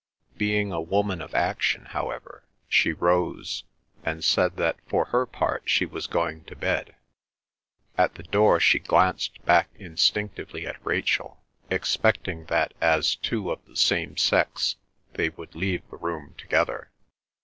Being a woman of action, however, she rose, and said that for her part she was going to bed. At the door she glanced back instinctively at Rachel, expecting that as two of the same sex they would leave the room together.